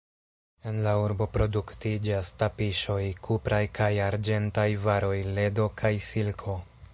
En la urbo produktiĝas tapiŝoj, kupraj kaj arĝentaj varoj, ledo kaj silko.